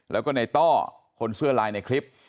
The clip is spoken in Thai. แล้วก็ในต้อคนเสื้อลายในคลิป